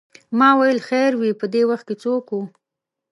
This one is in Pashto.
ما ویل خیر وې په دې وخت څوک و.